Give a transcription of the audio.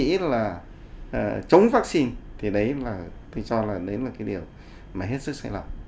nếu mà có cái suy nghĩ là chống vaccine thì đấy là tôi cho là đấy là cái điều mà hết sức sai lầm